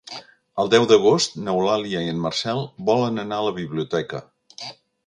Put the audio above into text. El deu d'agost n'Eulàlia i en Marcel volen anar a la biblioteca.